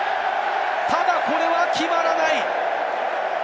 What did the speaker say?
ただこれは決まらない。